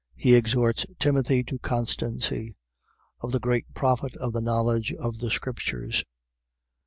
He exhorts Timothy to constancy. Of the great profit of the knowledge of the scriptures.